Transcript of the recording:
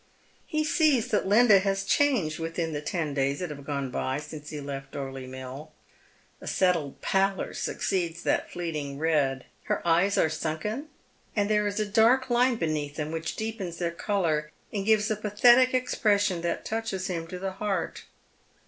He sees that Linda has changed within the ten days that have gone by since he left Dorley Mill. A settled pallor succeeds that fleeting red. Her eyes are sunken, and there is a dark line beneath them, which deepens their colour, and gives a pathetic expression that touches him to the heart.